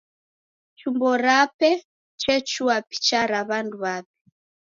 Chumba chape chechua picha ra w'andu w'ape.